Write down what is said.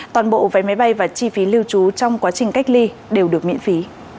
toàn bộ vé máy bay và chi phí lưu trú trong quá trình cách ly đều được miễn phí